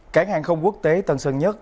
cảng hàng không quốc tế tân sơn nhất